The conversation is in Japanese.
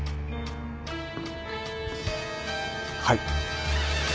はい